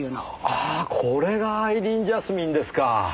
ああこれがアイリーンジャスミンですか！